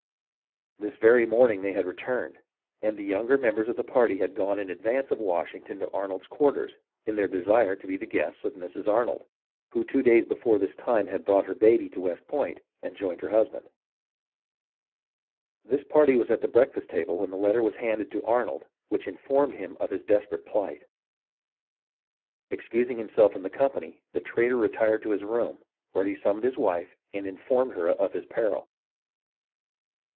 This very morning they had returned, and the younger members of the party had gone in advance of Washington to Arnold's quarters, in their desire to be the guests of Mrs. Arnold, who two days before this time had brought her baby to West Point and joined her husband. This party was at the breakfast table when the letter was handed to Arnold which informed him of his desper ate plight. Excusing himself from the company, the traitor retired to his room, where he summoned his wife and informed her of his peril.